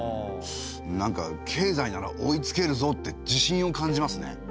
なんか経済なら追いつけるぞって自信を感じますね。